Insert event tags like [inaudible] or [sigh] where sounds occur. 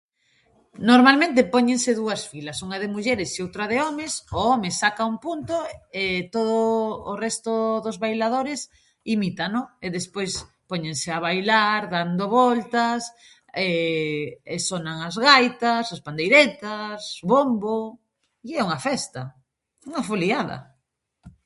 Normalmente póñense dúas filas: unha de mulleres e outra de homes. O home saca un punto e todo o resto dos bailadores imítano e despois póñense a bailar dando voltas [hesitation] e sonan as gaitas, as pandeiretas, bombo e é unha festa, unha foliada.